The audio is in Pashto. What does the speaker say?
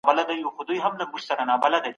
وفاداري د ژوند مهم شرط دی.